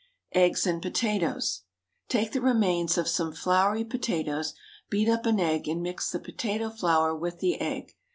EGGS AND POTATOES. Take the remains of some floury potatoes, beat up an egg, and mix the potato flour with the egg.